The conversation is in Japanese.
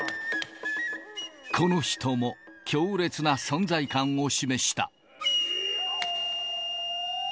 この人も強烈な存在感を示した。